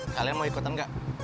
kalian mau ikut enggak